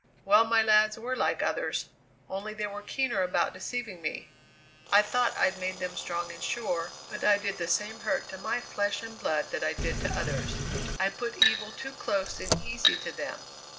Well, my lads were like others, only they were keener about deceiving me. I thought I'd made them strong and sure, but I did the same hurt to my flesh and blood that I did to others. I put evil too close and easy to them.